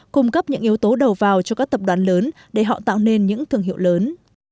cung cấp những yếu tố đầu vào cho các tập đoàn lớn để họ tạo nên những thương hiệu lớn